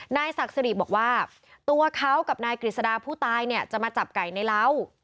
นายศักดิ์สิริบอกว่าตัวเขากับนายกฤษดาผู้ตายเนี่ยจะมาจับไก่ในเล้า